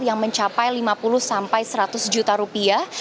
yang mencapai lima puluh sampai seratus juta rupiah